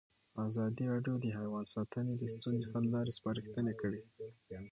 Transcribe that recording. ازادي راډیو د حیوان ساتنه د ستونزو حل لارې سپارښتنې کړي.